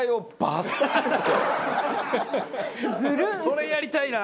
それやりたいな。